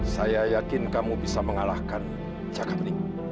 saya yakin kamu bisa mengalahkan jakabri